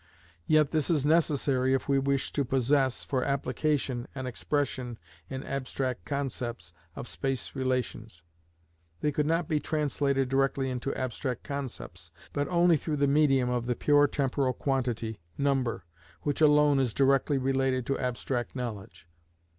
Yet this is necessary if we wish to possess, for application, an expression, in abstract concepts, of space relations. They could not be translated directly into abstract concepts, but only through the medium of the pure temporal quantity, number, which alone is directly related to abstract knowledge.